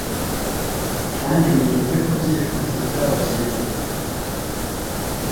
kandi mwite ku Byifuzo byabo byiza